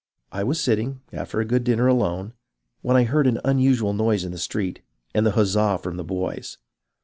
" I was sitting, after a good dinner, alone, when I heard an unusual noise in the street and the huzza from the boys.